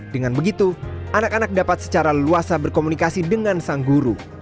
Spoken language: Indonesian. dengan begitu anak anak dapat secara leluasa berkomunikasi dengan sang guru